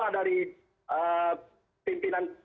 nah andai tiga plt kan